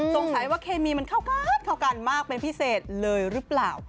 สงสัยว่าเคมีมันเข้ากันเข้ากันมากเป็นพิเศษเลยหรือเปล่า